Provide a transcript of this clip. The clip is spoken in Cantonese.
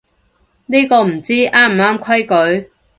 呢個唔知啱唔啱規矩